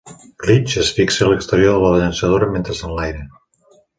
Glitch es fixa a l'exterior de la llançadora mentre s'enlaira.